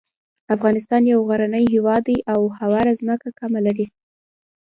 افغانستان یو غرنی هیواد دی او هواره ځمکه کمه لري.